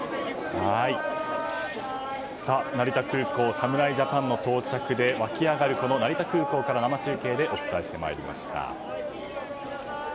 侍ジャパンの到着で沸き上がる成田空港から生中継でお伝えしてまいりました。